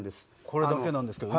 これだけなんですけど。